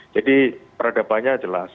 jadi peradabannya jelas